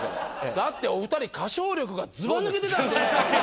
だってお２人歌唱力がずばぬけてたんで。